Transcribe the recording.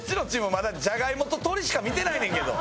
まだジャガイモと鶏しか見てないねんけど。